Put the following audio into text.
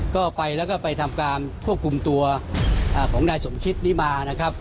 ก็ไปแล้วก็ไปทำการควบคุมตัวของนายสมคิดนี้มานะครับ